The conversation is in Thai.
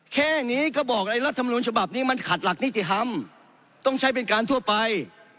แค่นี้ก็บอกไอ้รัฐมนุนฉบับนี้มันขัดหลักนิติธรรมต้องใช้เป็นการทั่วไป